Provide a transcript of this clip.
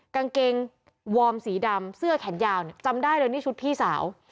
กางเกงวอร์มสีดำเสื้อแขนยาวเนี่ยจำได้เลยนี่ชุดพี่สาว